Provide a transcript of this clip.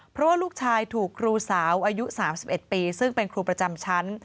เพราะว่าลูกชายถูกครูสาวอายุ๓๑ปีซึ่งเป็นครูประจำชั้น